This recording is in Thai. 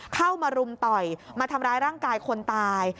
เข้ามารุมต่อยมาทำร้ายร่างกายคนตาย